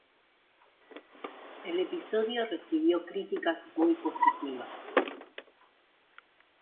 El episodio recibió críticas muy positivas.